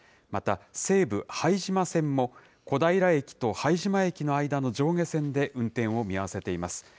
また、西武拝島線も小平駅と拝島駅の間の上下線で運転を見合わせています。